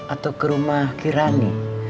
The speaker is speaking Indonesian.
atau ke rumah kirani